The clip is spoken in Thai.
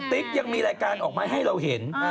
ติ๊กยังมีรายการออกมาให้เราเห็น